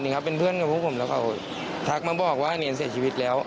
ครับเป็นเพื่อนกับพวกผมแล้วเขาทักมาบอกว่าเนรเสียชีวิตแล้ว